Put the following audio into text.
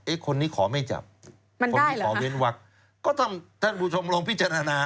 คนนี้ขอไม่จับคนนี้ขอเว้นวักก็ท่านท่านผู้ชมลองพิจารณา